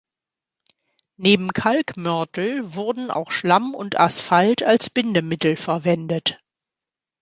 Neben Kalkmörtel wurden auch Schlamm und Asphalt als Bindemittel verwendet.